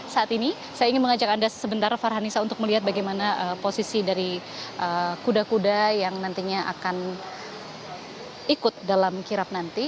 saat ini saya ingin mengajak anda sebentar farhanisa untuk melihat bagaimana posisi dari kuda kuda yang nantinya akan ikut dalam kirap nanti